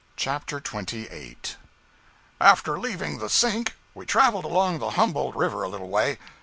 CHAPTER XXVIII. After leaving the Sink, we traveled along the Humboldt river a little way.